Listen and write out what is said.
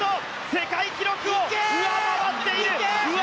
世界記録を上回っている！